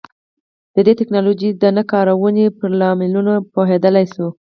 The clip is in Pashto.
د دې ټکنالوژۍ د نه کارونې پر لاملونو پوهېدای شو.